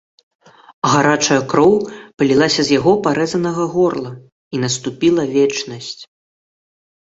Гарачая кроў палілася з яго парэзанага горла, і наступіла вечнасць.